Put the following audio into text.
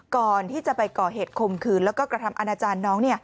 ก่อนที่จะไปก่อเหตุคมคืนแล้วก็กระทำอาณาจารย์น้อง